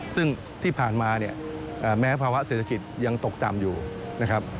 ซึ่งที่ผ่านมาเนี่ยแม้ภาวะเศรษฐกิจยังตกต่ำอยู่นะครับ